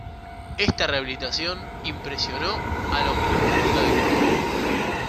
Esta rehabilitación impresionó a la opinión pública de Córdoba.